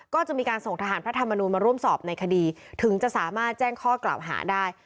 ก็จะมีการส่งทหารพระธรรมนูลมาร่วมสอบในคดีถึงจะสามารถแจ้งข้อกล่าวหาได้